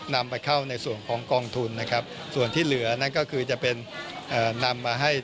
นำไปเข้าในส่วนของกองทุนนะครับส่วนที่เหลือนั่นก็คือจะเป็นนำมาให้